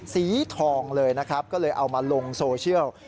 สีทองเลยนะครับก็เลยเอามาลงโซเชียล